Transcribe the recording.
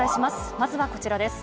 まずはこちらです。